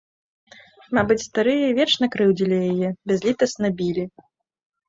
Мабыць, старыя вечна крыўдзілі яе, бязлітасна білі.